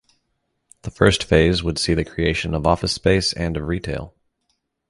The first phase would see the creation of of office space and of retail.